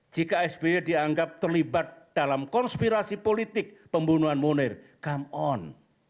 jika sby dianggap terlibat dalam konspirasi politik pembunuhan munir come on